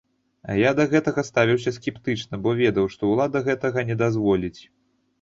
А я да гэтага ставіўся скептычна, бо ведаў, што ўлада гэтага не дазволіць.